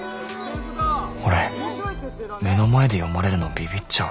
俺目の前で読まれるのビビっちゃう。